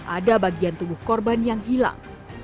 ada bagian tubuh korban yang hilang